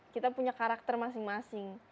kita punya karakter masing masing